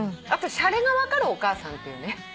あとしゃれが分かるお母さんっていうね。